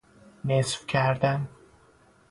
نصف کردن